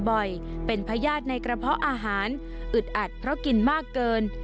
บ่อยเป็นพญาติในกระเพาะอาหารอึดอัดเพราะกินมากเกิน